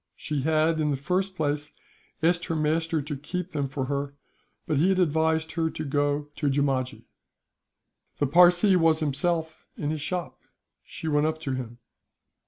She had, in the first place, asked her master to keep them for her; but he had advised her to go to Jeemajee. The Parsee was, himself, in his shop. She went up to him.